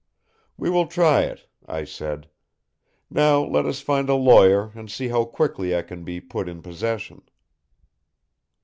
"We will try it," I said. "Now let us find a lawyer and see how quickly I can be put in possession."